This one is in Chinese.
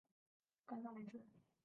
冈萨雷斯。